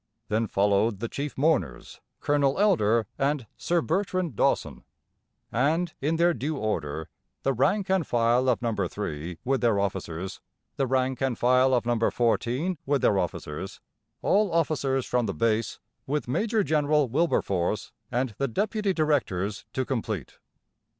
Then followed the chief mourners, Colonel Elder and Sir Bertrand Dawson; and in their due order, the rank and file of No. 3 with their officers; the rank and file of No. 14 with their officers; all officers from the Base, with Major General Wilberforce and the Deputy Directors to complete.